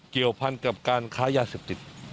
เกี่ยวพันกับการค้ายาเสพติด